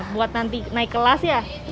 buat nanti naik kelas ya